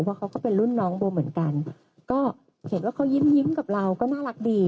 เพราะเขาก็เป็นรุ่นน้องโบเหมือนกันก็เห็นว่าเขายิ้มกับเราก็น่ารักดี